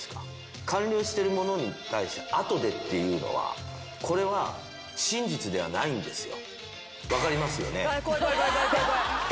完了してるものに対して後でっていうのはこれは真実ではないんですよ。